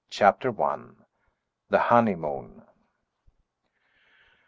CHAPTER I. THE HONEYMOON.